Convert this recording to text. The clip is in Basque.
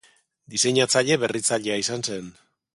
Diseinatzaile berritzailea izan zen.